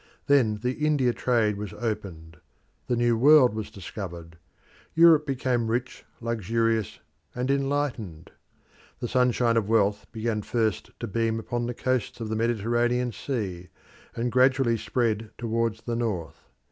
Then the India trade was opened; the New World was discovered; Europe became rich, luxurious, and enlightened. The sunshine of wealth began first to beam upon the costs of the Mediterranean Sea, and gradually spread towards the North.